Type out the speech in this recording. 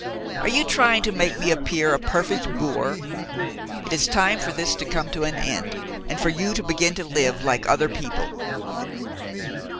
Are you trying to make me appear a perfect boor? It is time for this to come to an end and for you to begin to live like other people."